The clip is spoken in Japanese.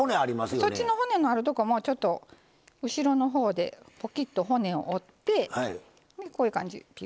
そっちの骨のあるとこもちょっと後ろの方でポキッと骨を折ってこういう感じピュ。